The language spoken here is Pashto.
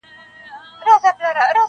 • اغیار بدنامه کړی یم شړې یې او که نه -